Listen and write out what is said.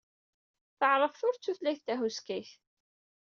Taɛṛabt d tutlayt tahuskayt.